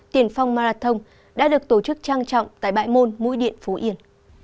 tiền phong marathon đã được tổ chức trang trọng tại bãi môn mũi điện phú yên